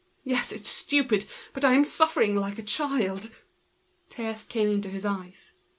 Yes, it's stupid, but I am suffering like a child!" Tears came into his eyes.